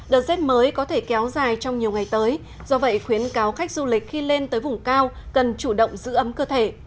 đợt rét mới có thể kéo dài trong nhiều ngày tới do vậy khuyến cáo khách du lịch khi lên tới vùng cao cần chủ động giữ ấm cơ thể